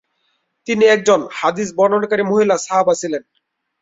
তিনি একজন হাদিস বর্ণনাকারী মহিলা সাহাবা ছিলেন।